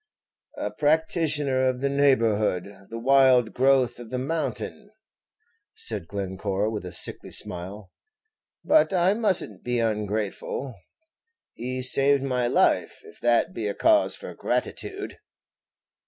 "A practitioner of the neighborhood, the wild growth of the mountain," said Glencore, with a sickly smile; "but I must n't be ungrateful; he saved my life, if that be a cause for gratitude."